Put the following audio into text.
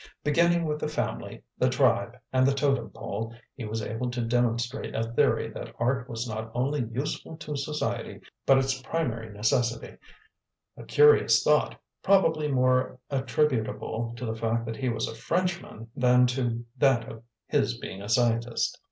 Beginning with the family, the tribe, and the totem pole, he was able to demonstrate a theory that art was not only useful to society but its primary necessity; a curious thought, probably more attributable to the fact that he was a Frenchman than to that of his being a scientist.